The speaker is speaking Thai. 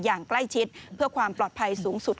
อย่างใกล้ชิดเพื่อความปลอดภัยสูงสุด